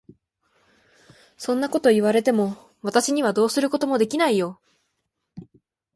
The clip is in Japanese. そんなことを言われても、私にはどうすることもできないよ。